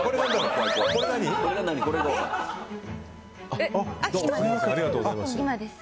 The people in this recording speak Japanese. ありがとうございます。